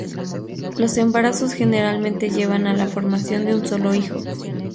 Los embarazos generalmente llevan a la formación de un solo hijo.